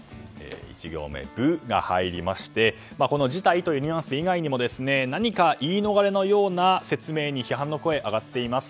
１行目、「ブ」が入りましてこの辞退というニュアンス以外にも何か言い逃れのような説明に批判の声が上がっています。